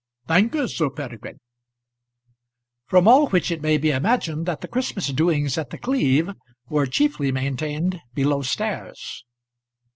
"Thank you, Sir Peregrine." From all which it may be imagined that the Christmas doings at The Cleeve were chiefly maintained below stairs.